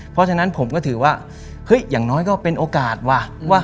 เพราะฉะนั้นผมก็ถือว่าเฮ้ยอย่างน้อยก็เป็นโอกาสว่ะ